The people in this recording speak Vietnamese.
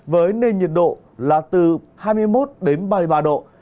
với nền nhiệt độ là từ hai mươi một đến ba mươi ba độ